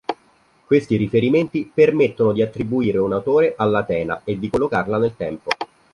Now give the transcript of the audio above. Questi riferimenti permettono di attribuire un autore all"'Atena" e di collocarla nel tempo.